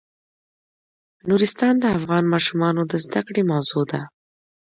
نورستان د افغان ماشومانو د زده کړې موضوع ده.